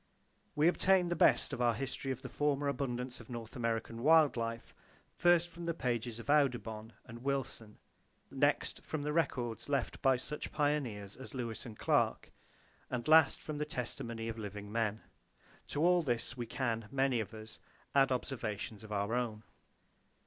We obtain the best of our history of the former abundance of North American wild life first from the pages of Audubon and Wilson; next, from the records left by such pioneers as Lewis and Clark, and last from the testimony of living men. To all this we can, many of us, add observations of our own.